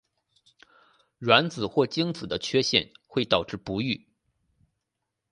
卵子或精子的缺陷会导致不育。